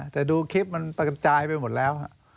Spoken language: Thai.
แต่ดูคลิปมันประกระจายไปหมดแล้ว